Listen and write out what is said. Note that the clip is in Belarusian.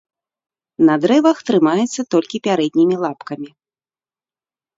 На дрэвах трымаецца толькі пярэднімі лапкамі.